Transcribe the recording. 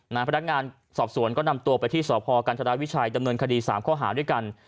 พนักงานสอบสวนก็นำตัวไปที่สพกันธรวิชัยดำเนินคดี๓ข้อหาด้วยกัน